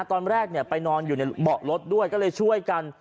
ตอนแรกไปนอนอยู่ในเบาะรถด้วยก็เลยช่วยกัน